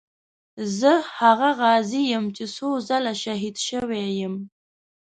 زه هغه غازي یم چې څو ځله شهید شوی یم.